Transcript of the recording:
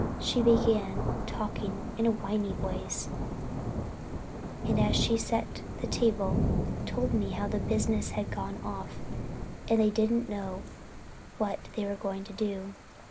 She began talking in a whining voice, and as she set the table, told me how the business had gone off, and they didn't know what they were going to do.